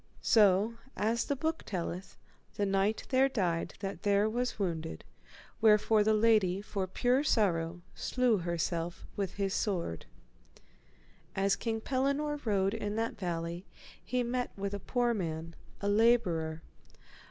So, as the book telleth, the knight there died that there was wounded, wherefore the lady for pure sorrow slew herself with his sword. As King Pellinore rode in that valley he met with a poor man, a labourer.